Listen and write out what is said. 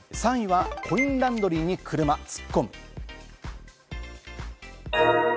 ３位はコインランドリーに車突っ込む。